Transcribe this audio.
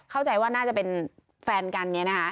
เข้าใจว่าน่าจะเป็นแฟนกันเนี่ยนะคะ